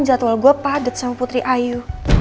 jadwal gue padat sama putri ayu